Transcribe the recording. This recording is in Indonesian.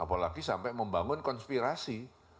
apalagi sampai membangun konspirasi